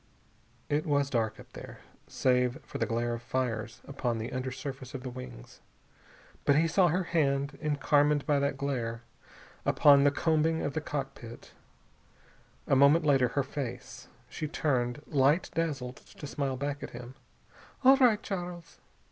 It was dark, up there, save for the glare of fires upon the under surface of the wings. But he saw her hand, encarmined by that glare, upon the combing of the cockpit. A moment later her face. She turned, light dazzled, to smile back at him. "All right, Charles."